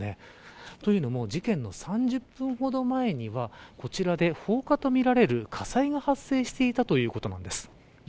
というのも事件の３０分ほど前にはこちらで放火とみられる火災が発生していたということなんです。